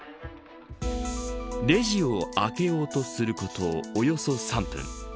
レジを開けようとすることおよそ３分。